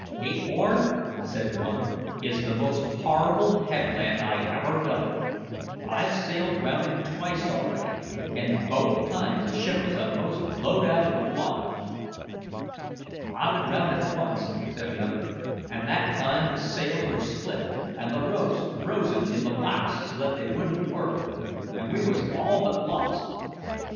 "Cape Horn," said one, "is the most horrible headland I ever doubled. I've sailed round it twice already, and both times the ship was a'most blow'd out o' the water." "I've been round it once," said another; "an' that time the sails were split, and the ropes frozen in the blocks so that they wouldn't work, and we wos all but lost."